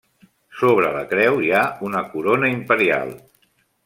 Sobre la creu hi ha una corona imperial.